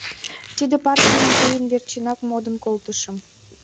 Тиде партийым тыйын верчынак модын колтышым.